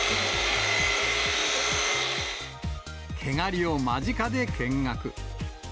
毛刈りを間近で見学。